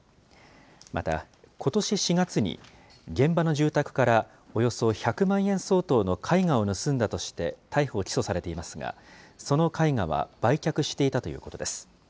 また、ことし４月に、現場の住宅からおよそ１００万円相当の絵画を盗んだとして、逮捕・起訴されていますが、その絵画は売却していたということです。